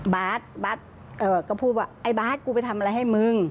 บ๊าตก็พูดบอกไอ้บ๊าตกูไปทำอะไรให้มึง